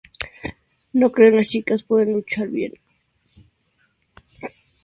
No cree que las chicas puedan luchar bien.